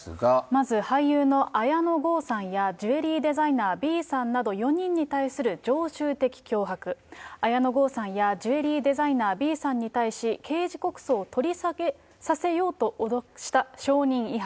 まず俳優の綾野剛さんや、ジュエリーデザイナー、Ｂさんなど４人に対する常習的脅迫、綾野剛さんやジュエリーデザイナー、Ｂさんに対し、刑事告訴を取り下げさせようと脅した証人威迫。